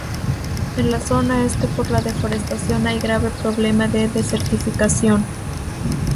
En la zona este por la deforestación hay grave problema de desertificación.